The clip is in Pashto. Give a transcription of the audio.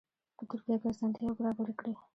په ترکیه کې اسانتیاوې برابرې کړي.